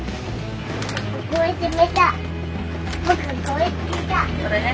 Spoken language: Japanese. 僕これ決めた。